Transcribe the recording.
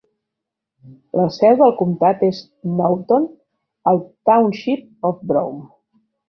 La seu del comtat és Knowlton, al Township of Brome.